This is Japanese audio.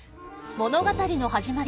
物語の始まり